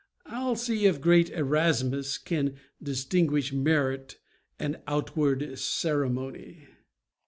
I'll see if great Erasmus can distinguish Merit and outward ceremony.